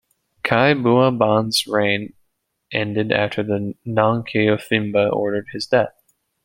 Khai Bua Ban's reign ended after Nang Keo Phimpha ordered his death.